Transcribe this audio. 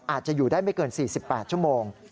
อาจจะอยู่ได้ไม่เกิน๔๘ชั่วโมง